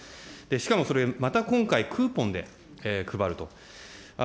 しかもそれ、また今回、クーポンで配ると。